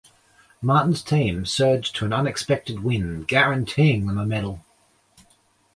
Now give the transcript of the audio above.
Martin's team surged to an unexpected win, guaranteeing them a medal.